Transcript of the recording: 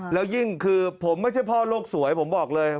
แล้วยิ่งคือผมไม่ใช่พ่อโลกสวยผมบอกเลย